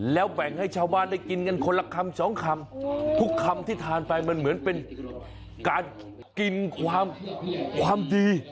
แล้วแบ่งให้ชาวบ้านได้กินกันคนละคำสองคำทุกคำที่ทานไปมันเหมือนเป็นการกินความดี